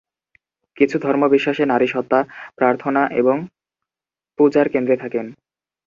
কিছু ধর্ম-বিশ্বাসে নারী সত্ত্বা প্রার্থনা এবং পূজার কেন্দ্রে থাকেন।